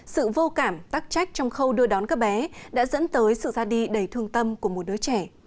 sự vô cảm tắc trách trong khâu đưa đón các bé đã dẫn tới sự ra đi đầy thương tâm của một đứa trẻ